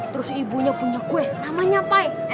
terus ibunya punya kue namanya pie